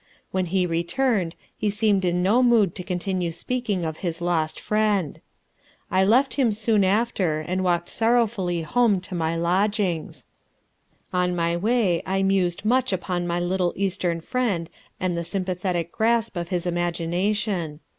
When he returned he seemed in no mood to continue speaking of his lost friend. I left him soon after and walked sorrowfully home to my lodgings. On my way I mused much upon my little Eastern friend and the sympathetic grasp of his imagination.